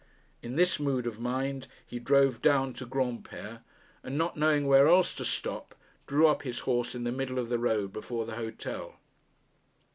In this mood of mind he drove down to Granpere, and, not knowing where else to stop, drew up his horse in the middle of the road before the hotel.